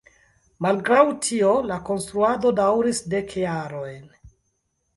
Malgraŭ tio la konstruado daŭris dek jarojn.